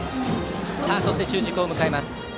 そして中軸を迎えます。